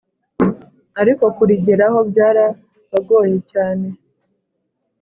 Ariko kurigeraho byarabagoye cyane